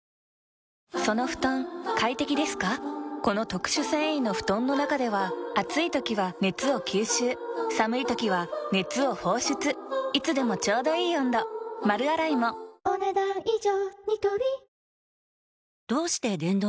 この特殊繊維の布団の中では暑い時は熱を吸収寒い時は熱を放出いつでもちょうどいい温度丸洗いもお、ねだん以上。